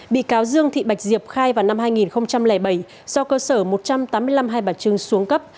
bị cáo dương thị bạch diệp khai vào năm hai nghìn bảy do cơ sở một trăm tám mươi năm hai bà trưng xuống cấp